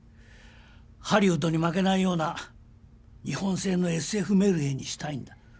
ハリウッドに負けないような日本製のＳＦメルヘンにしたいんだ。